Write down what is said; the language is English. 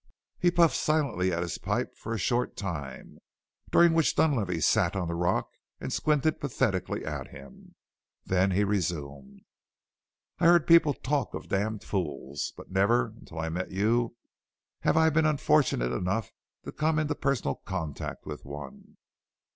He puffed silently at his pipe for a short time, during which Dunlavey sat on the rock and squinted pathetically at him. Then he resumed: "I've heard people talk of damned fools, but never, until I met you, have I been unfortunate enough to come into personal contact with one.